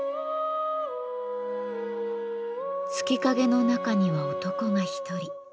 月影の中には男が１人。